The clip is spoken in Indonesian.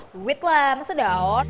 duit lah masa daun